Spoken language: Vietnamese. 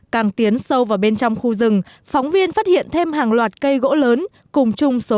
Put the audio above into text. càng tiến sâu vào bên trong khu rừng phóng viên phát hiện thêm hàng loạt cây gỗ lớn cùng chung số